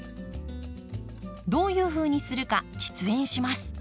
どういうふうにするか実演します。